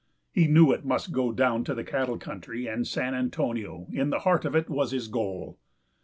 He knew it must go down to the cattle country, and San Antonio, in the heart of it, was his goal.